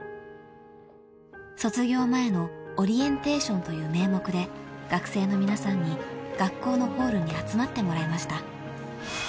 ［卒業前のオリエンテーションという名目で学生の皆さんに学校のホールに集まってもらいました］